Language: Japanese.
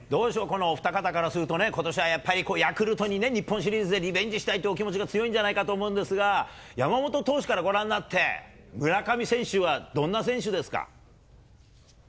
このお二方からするとね、ことしはやっぱり、ヤクルトにね、日本シリーズでリベンジしたいってお気持ちが強いんじゃないかなと思うんですが、山本投手からご覧になって、村上選手はどんな選手ですか？